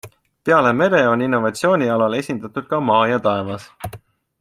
Peale mere on innovatsioonialal esindatud ka maa ja taevas.